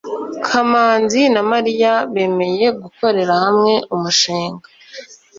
kamanzi na mariya bemeye gukorera hamwe umushinga